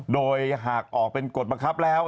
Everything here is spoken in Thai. โดยหากออกเป็นกฎบังคับแล้ว